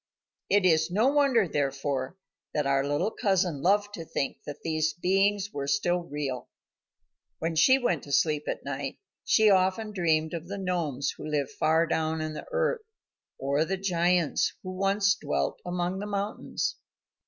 It is no wonder, therefore, that our little cousin loved to think that these beings were still real. When she went to sleep at night, she often dreamed of the gnomes who live far down in the earth, or the giants who once dwelt among the mountains.